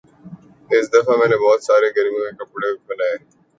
اس دفعہ میں نے بہت سارے گرمیوں کے کپڑے بنائے